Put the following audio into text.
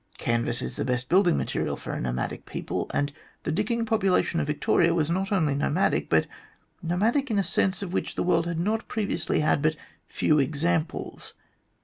Canvas is the best building material for a nomadic people, and the digging population of Victoria was not only nomadic, but nomadic in a sense of which the world had previously had but few examples.